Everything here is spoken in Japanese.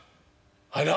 あら！